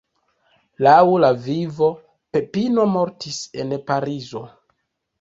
Laŭ la "Vivo", Pepino mortis en Parizo.